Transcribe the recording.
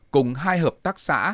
cùng hai hợp tác xã